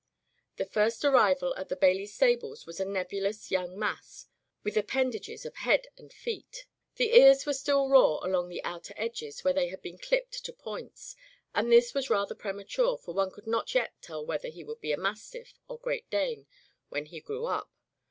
'* The first arrival at the Bailey stables was a nebulous yellow mass, with appendages of head and feet. The ears were still raw along the outer edges where they had been clipped to points, and this was rather pre mature, for one could not yet tell whether he would be mastiff or Great Dane when he grew up.